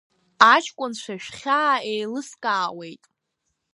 Аҷкәынцәа, шәхьаа еилыскаауеит.